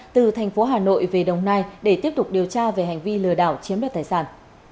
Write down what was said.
từ thành phố hà nội về đồng nai để tiếp tục điều tra về hành vi lừa đảo chiếm đoạt tài sản